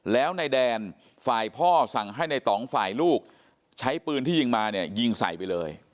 แล้วนายแดนฝ่ายพ่อสั่งให้ในต่องฝ่ายลูกใช้ปืนที่ยิงมาเนี่ยยิงใส่ไปเลย